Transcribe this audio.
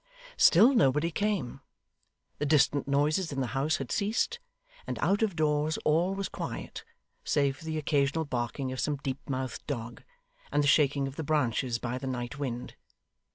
Still nobody came. The distant noises in the house had ceased, and out of doors all was quiet; save for the occasional barking of some deep mouthed dog, and the shaking of the branches by the night wind.